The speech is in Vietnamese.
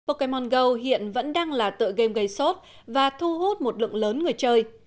pokemon go hiện vẫn đang là tựa game gây sốt và thu hút một lượng lớn người chơi